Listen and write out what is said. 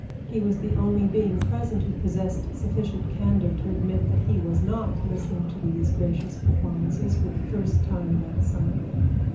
He was the only being present who possessed sufficient candor to admit that he was not listening to these gracious performances for the first time that summer.